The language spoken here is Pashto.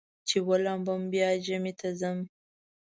چې ولامبم بیا جمعې ته ځم.